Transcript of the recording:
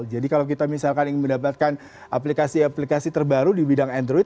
jadi kalau kita misalkan ingin mendapatkan aplikasi aplikasi terbaru di bidang android